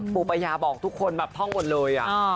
อ๋อปุประยาบอกทุกคนแบบท่องหมดเลยอ่ะ